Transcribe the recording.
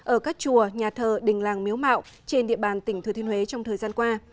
ở các chùa nhà thờ đình làng miếu mạo trên địa bàn tỉnh thừa thiên huế trong thời gian qua